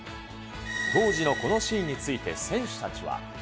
当時のこのシーンについて選手たちは。